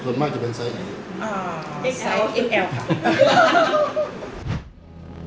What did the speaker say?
ส่วนมากจะเป็นไซส์ไหน